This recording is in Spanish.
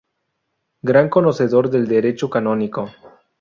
Gran conocedor del Derecho canónico.